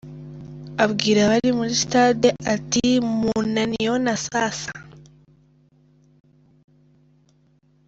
Abwira abari muri sitade ati "Mu naniona sasa?".